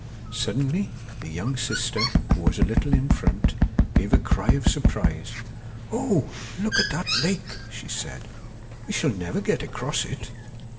Suddenly the younger sister, who was a little in front, gave a cry of surprise. 'Oh! look at that lake!' she said, 'we shall never get across it.